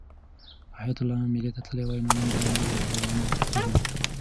که حیات الله مېلې ته تللی وای نو نن به یې یادونه لرل.